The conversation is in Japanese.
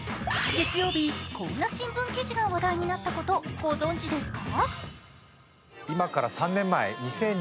月曜日、こんな新聞記事が話題になったこと、ご存じですか？